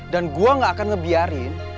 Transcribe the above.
dan gua gak akan ngebiarin